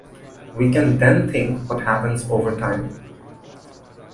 We can then think what happens over time.